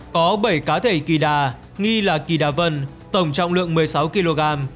có bảy cá thể kỳ đà nghi là kỳ đa vân tổng trọng lượng một mươi sáu kg